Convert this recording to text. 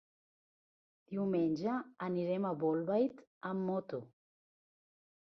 Diumenge anirem a Bolbait amb moto.